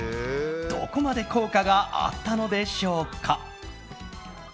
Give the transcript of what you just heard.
どこまで効果があったのでしょうか。